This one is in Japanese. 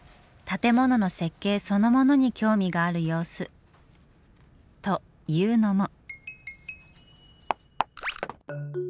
建物の設計そのものに興味がある様子。というのも。